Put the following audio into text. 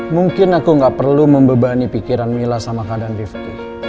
mungkin aku gak perlu membebani pikiran mila sama keadaan lifty